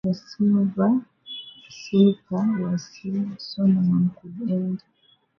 The Silver Slipper was sealed, so no one could enter.